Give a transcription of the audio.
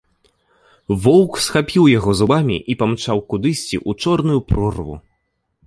Воўк схапіў яго зубамі і памчаў кудысьці ў чорную прорву.